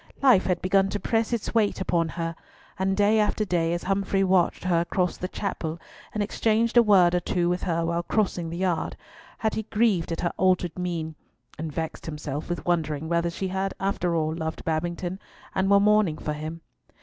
Life had begun to press its weight upon her, and day after day, as Humfrey watched her across the chapel, and exchanged a word or two with her while crossing the yard, had he grieved at her altered mien; and vexed himself with wondering whether she had after all loved Babington, and were mourning for him.